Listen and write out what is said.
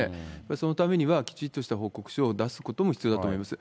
そのためには、きちっとした報告書を出すことも必要だと思います。